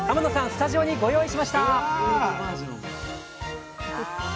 スタジオにご用意しました！